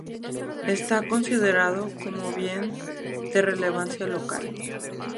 Está considerado cómo bien de relevancia local.